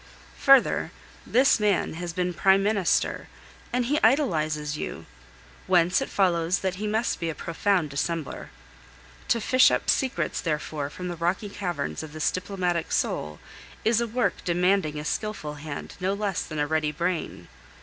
Further, this man has been Prime Minister, and he idolizes you; whence it follows that he must be a profound dissembler. To fish up secrets, therefore, from the rocky caverns of this diplomatic soul is a work demanding a skilful hand no less than a ready brain.